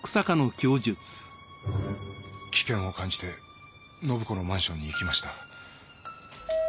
危険を感じて信子のマンションに行きました。